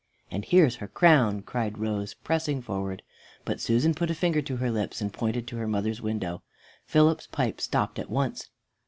"And here's her crown!" cried Rose, pressing forward. But Susan put her finger to her lips, and pointed to her mother's window. Philip's pipe stopped at once.